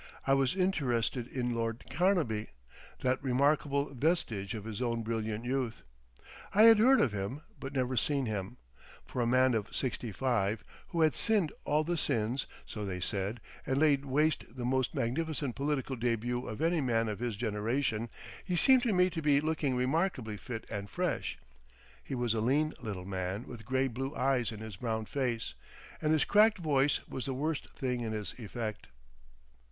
I was interested in Lord Carnaby, that remarkable vestige of his own brilliant youth. I had heard of him, but never seen him. For a man of sixty five who had sinned all the sins, so they said, and laid waste the most magnificent political debut of any man of his generation, he seemed to me to be looking remarkably fit and fresh. He was a lean little man with grey blue eyes in his brown face, and his cracked voice was the worst thing in his effect.